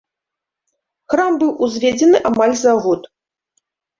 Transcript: Храм быў узведзены амаль за год.